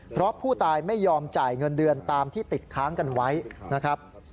เพราะผู้ตายไม่ยอมจ่ายเงินเดือนตามที่ติดค้างกันไว้นะครับ